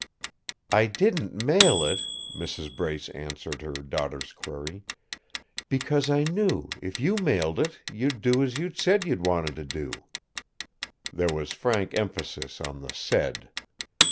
"I didn't mail it," Mrs. Brace answered her daughter's query, "because I knew, if you mailed it, you'd do as you'd said you wanted to do." There was frank emphasis on the "said."